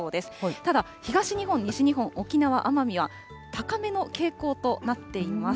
ただ、東日本、西日本、沖縄、奄美は高めの傾向となっています。